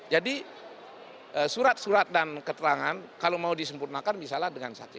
jadi surat surat dan keterangan kalau mau disempurnakan bisa dengan saksi